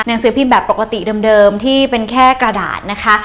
ซื้อพิมพ์แบบปกติเดิมที่เป็นแค่กระดาษนะคะ